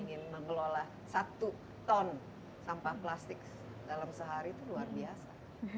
ingin mengelola satu ton sampah plastik dalam sehari itu luar biasa